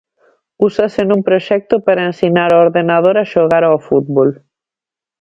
Úsase nun proxecto para ensinar ao ordenador a xogar ao fútbol.